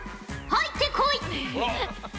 入ってこい！